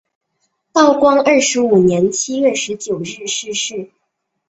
道光二十五年七月十九日逝世。